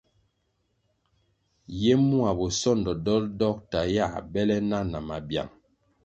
Ye mua bosondo dolʼ dokta yā bele na na mabyang.